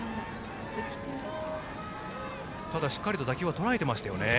ただしっかりと打球はとらえていました。